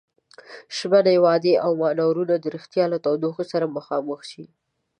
ژمنې، وعدې او مانورونه د ريښتيا له تودوخې سره مخامخ شي.